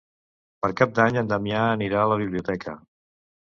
Per Cap d'Any en Damià anirà a la biblioteca.